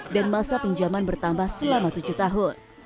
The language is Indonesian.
dan masa pinjaman bertambah selama tujuh tahun